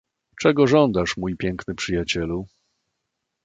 "Czego żądasz, mój piękny przyjacielu?"